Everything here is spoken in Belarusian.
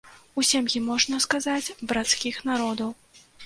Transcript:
У сям'і, можна сказаць, брацкіх народаў.